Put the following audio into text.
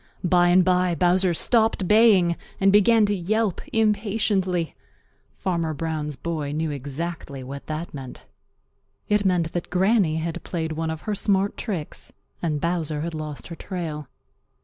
By and by Bowser stopped baying and began to yelp impatiently. Farmer Brown's boy knew exactly what that meant. It meant that Granny had played one of her smart tricks and Bowser had lost her trail.